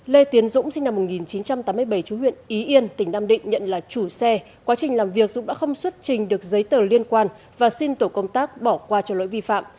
lê tiến dũng sinh năm một nghìn chín trăm tám mươi bảy chú huyện ý yên tỉnh nam định nhận là chủ xe quá trình làm việc dũng đã không xuất trình được giấy tờ liên quan và xin tổ công tác bỏ qua cho lỗi vi phạm